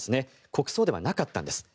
国葬ではなかったんです。